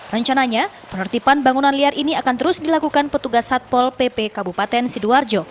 rencananya penertiban bangunan liar ini akan terus dilakukan petugas satpol pp kabupaten sidoarjo